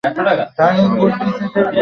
তাহলে, এটা আমার মুখে কেন?